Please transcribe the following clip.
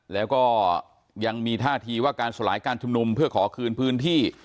แล้วก็ยังมีท่าทีว่าการสลายการชุมนุมเพื่อขอคืนพื้นที่